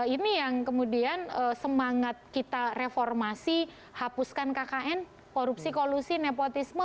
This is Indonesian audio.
ini yang kemudian semangat kita reformasi hapuskan kkn korupsi kolusi nepotisme